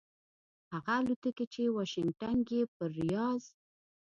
هغه الوتکې چې واشنګټن یې پر ریاض